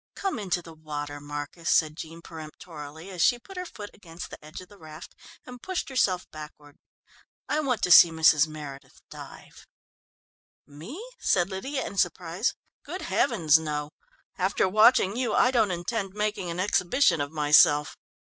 "Come into the water, Marcus," said Jean peremptorily, as she put her foot against the edge of the raft, and pushed herself backward, "I want to see Mrs. Meredith dive." "Me?" said Lydia in surprise. "Good heavens, no! After watching you I don't intend making an exhibition of myself."